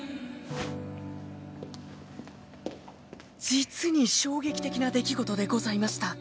［実に衝撃的な出来事でございました］